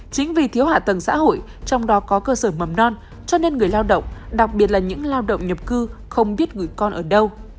chính vì thiếu hạ tầng xã hội trong đó có cơ sở mầm non cho nên người lao động đặc biệt là những lao động nhập cư không biết người con ở đâu